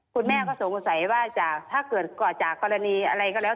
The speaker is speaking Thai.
คุณแม่ก็สงสัยว่าถ้าเกิดก่อจากกรณีอะไรก็แล้ว